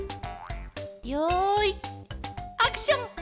よいアクション！